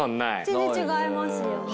全然違いますよね。